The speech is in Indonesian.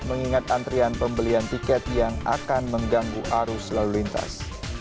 mengingat antrian pembelian tiket yang akan mengganggu arus lalu lintas